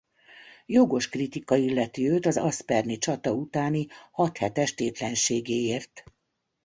Jogos kritika illeti őt az asperni csata utáni hat hetes tétlenségéért.